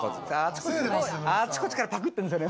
あちこちからパクってるんですよね。